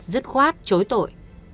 rất khoát chối tội